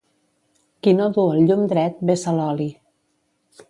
Qui no du el llum dret, vessa l'oli.